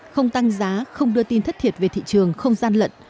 không tăng giá không đưa tin thất thiệt về thị trường không gian lận